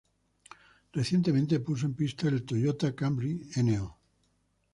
Recientemente puso en pista el Toyota Camry No.